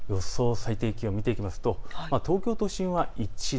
最低気温を見ていくと東京都心は１度。